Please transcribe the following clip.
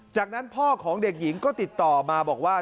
จากนั้นพ่อของเด็กหญิงก็ติดต่อมาบอกว่า